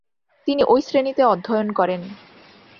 তিনি ওই শ্রেণিতে অধ্যয়ন করেন।